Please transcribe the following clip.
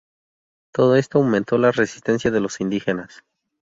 Todo esto aumentó la resistencia de los indígenas.